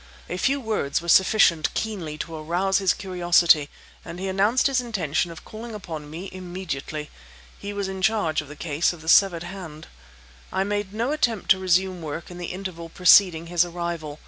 A few words were sufficient keenly to arouse his curiosity, and he announced his intention of calling upon me immediately. He was in charge of the case of the severed hand. I made no attempt to resume work in the interval preceding his arrival.